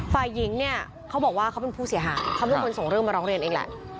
ฝ่ายหญิงเนี่ยเขาบอกว่าเขาเป็นผู้เสียหายเขาเป็นคนส่งเรื่องมาร้องเรียนเองแหละ